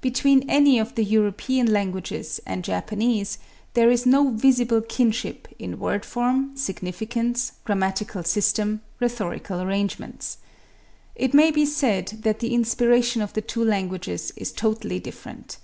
Between any of the European languages and Japanese there is no visible kinship in word form, significance, grammatical system, rhetorical arrangements. It may be said that the inspiration of the two languages is totally different.